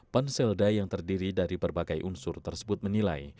panselda yang terdiri dari berbagai unsur tersebut menilai